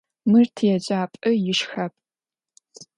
Мыр тиеджапӏэ ишхапӏ.